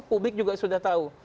publik juga sudah tahu